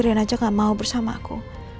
reina juga gak mau bersama aku